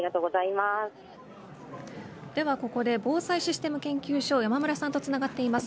ではここで防災システム研究所の山村さんとつながっています。